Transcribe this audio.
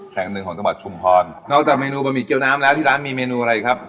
แห่งหนึ่งของจังหวัดชุมพรนอกจากเมนูบะหมี่เกี้ยวน้ำแล้วที่ร้านมีเมนูอะไรครับ